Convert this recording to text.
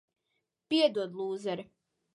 Piedod, lūzeri.